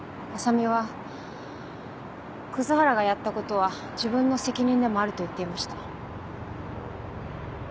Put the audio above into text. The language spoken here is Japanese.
浅海は「葛原がやったことは自分の責任でもある」と言っていました。